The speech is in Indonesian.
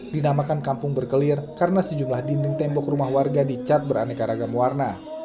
dinamakan kampung berkelir karena sejumlah dinding tembok rumah warga dicat beraneka ragam warna